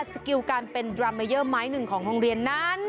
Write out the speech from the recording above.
สกิลการเป็นดราเมเยอร์ไม้หนึ่งของโรงเรียนนั้น